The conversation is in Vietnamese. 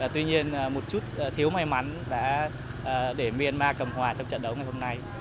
tuy nhiên một chút thiếu may mắn đã để myanmar cầm hòa trong trận đấu ngày hôm nay